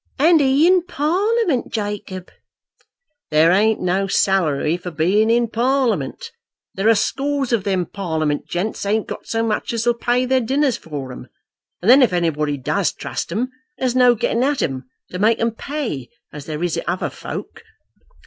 "And he in Parliament, Jacob!" "There ain't no salary for being in Parliament. There are scores of them Parliament gents ain't got so much as'll pay their dinners for 'em. And then if anybody does trust 'em, there's no getting at 'em to make 'em pay as there is at other folk."